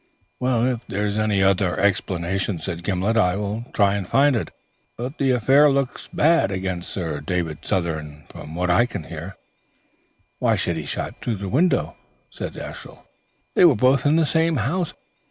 "If there is any other explanation," said Gimblet, "I will try and find it; but the affair looks bad against Sir David Southern from what I can hear." "Why should he have shot through the window?" said Ashiel. "They were both in the same house.